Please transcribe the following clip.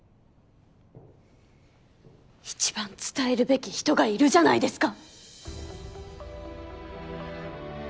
一番伝えるべき人がいるじゃないですか。